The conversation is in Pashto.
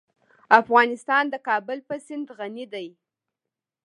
افغانستان په د کابل سیند غني دی.